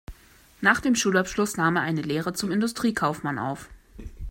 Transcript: Nach dem Schulabschluss nahm er eine Lehre zum Industriekaufmann auf.